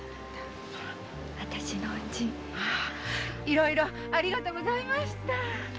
いろいろありがとうございました。